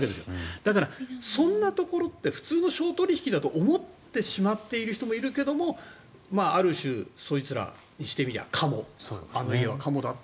だからそんなところって普通の商取引だと思ってしまっている人もいるけどある種、そいつらにしてみればカモだと。